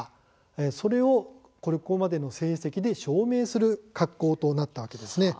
それをここまでの成績で証明する格好となったわけです。